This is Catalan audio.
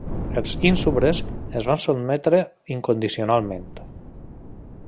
Els ínsubres es van sotmetre incondicionalment.